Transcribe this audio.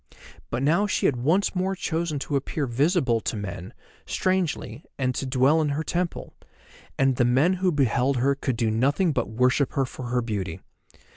But now she had once more chosen to appear visible to men, strangely, and to dwell in her temple; and the men who beheld her could do nothing but worship her for her beauty.